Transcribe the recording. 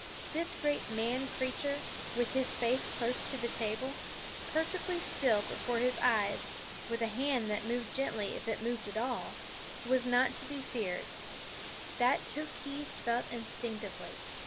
This great man creature, with his face close to the table, perfectly still but for his eyes, with a hand that moved gently if it moved at all, was not to be feared that Tookhees felt instinctively.